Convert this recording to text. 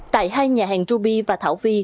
tại hai nhà hàng ruby và thảo vi